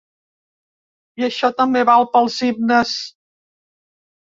I això també val pels himnes.